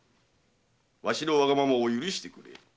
わしのわがままを許してくれ」